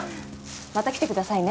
また来てくださいね。